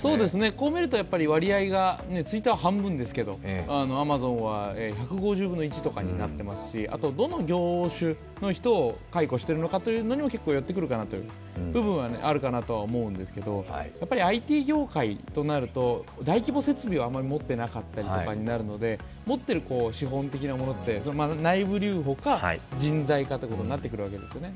こうみると役割が、Ｔｗｉｔｔｅｒは半分ですけどアマゾンは１５０分の１とかになってますしどの業種の人を解雇しているのかにもよってくるかなという部分はあるんですが、ＩＴ業界となると大規模設備をあんまり持っていなかったりとなるので持っている資本的なものって内部留保か人材かということになってくるわけですよね。